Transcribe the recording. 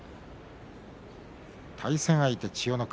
対戦相手、千代の国。